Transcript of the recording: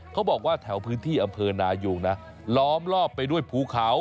เขาบอกว่าแถวพื้นที่อำเภอนายุงนะล้อมรอบไปด้วยภูเขา